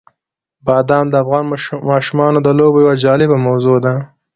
بادام د افغان ماشومانو د لوبو یوه جالبه موضوع ده.